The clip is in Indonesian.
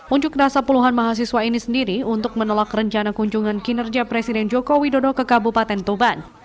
unjuk rasa puluhan mahasiswa ini sendiri untuk menolak rencana kunjungan kinerja presiden joko widodo ke kabupaten tuban